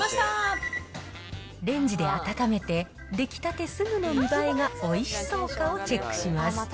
レンジで温めて、出来たてすぐの見栄えがおいしそうかをチェックします。